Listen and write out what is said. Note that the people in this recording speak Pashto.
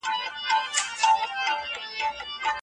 که په کور کې زده کړه وي نو هیله نه ختمیږي.